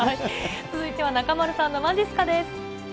続いては中丸さんのまじっすかです。